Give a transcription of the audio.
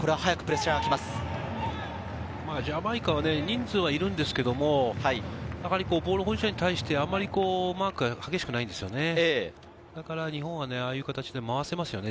ジャマイカは、人数はいるんですけど、ボール保持者に対してあまりマークは激しくないんですよね。